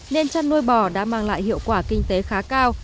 nên chăn nuôi bò đã mang lại hiệu quả kinh tế khá cao